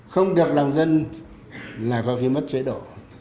không được lòng dân là có khi mất chế độ